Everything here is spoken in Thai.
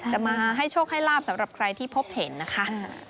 จะมาให้โชคให้ลาบสำหรับใครที่พบเห็นนะคะ